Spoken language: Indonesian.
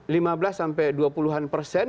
lima belas sampai dua puluhan persen